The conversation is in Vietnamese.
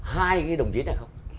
hai cái đồng chí này không